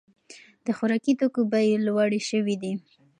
د خوراکي توکو بیې لوړې شوې دي.